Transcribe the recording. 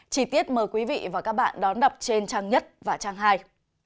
chí tiết mời quý vị và các bạn đón đọc trên trang nhất và trang hai